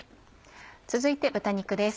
続いて豚肉です。